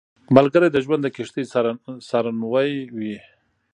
ملګری د ژوند د کښتۍ سارنوی وي